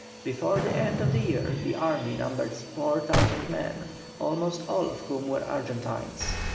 Before the end of the year the army numbered 4,000 men, almost all of whom were Argentines.